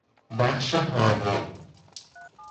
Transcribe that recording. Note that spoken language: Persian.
بخش حاره